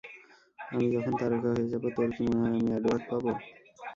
আমি যখন তারকা হয়ে যাব, তোর কি মনে হয় আমি এডওয়ার্ড পাব?